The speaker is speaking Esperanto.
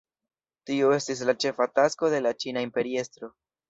Tio estis la ĉefa tasko de la ĉina imperiestro.